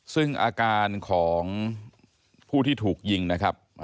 ซึ่งอาการของผู้ที่ถูกยิงนะครับ